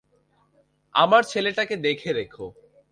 আমার ছেলেটাকে দেখে রেখো।